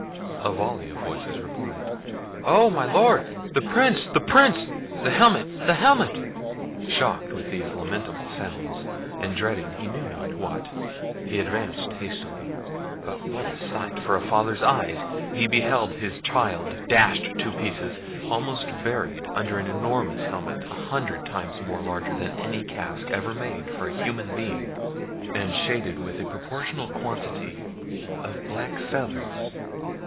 A volley of voices replied, "Oh! my Lord! the Prince! the Prince! the helmet! the helmet!" Shocked with these lamentable sounds, and dreading he knew not what, he advanced hastily,—but what a sight for a father's eyes!—he beheld his child dashed to pieces, and almost buried under an enormous helmet, an hundred times more large than any casque ever made for human being, and shaded with a proportionable quantity of black feathers.